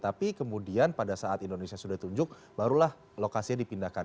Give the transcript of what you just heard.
tapi kemudian pada saat indonesia sudah ditunjuk barulah lokasinya dipindahkan